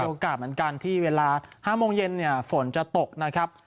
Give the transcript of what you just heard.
โอกาสเหมือนกันที่เวลา๕โมงเย็นเนี่ยฝนจะตกนะครับ